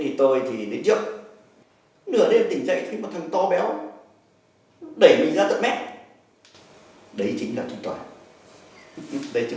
thì tôi có thể nói đấy là một người bạn